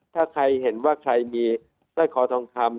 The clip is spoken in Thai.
ถ้าใครเห็นว่าใครมีสร้อยคอทองคำ